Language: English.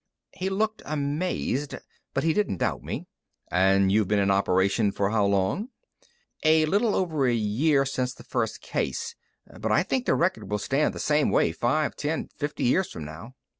He looked amazed, but he didn't doubt me. "And you've been in operation for how long?" "A little over a year since the first case. But I think the record will stand the same way five, ten, fifty years from now.